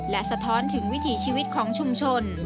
และสะท้อนถึงวิถีชีวิตของชุมชน